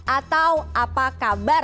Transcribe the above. atau apa kabar